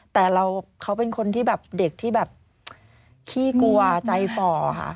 แต่เขาเป็นคนที่แบบเด็กที่แบบขี้กลัวใจฝ่อค่ะ